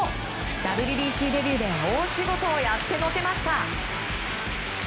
ＷＢＣデビューで大仕事をやってのけました。